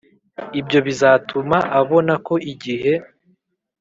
ibyo bizatuma abona ko igihe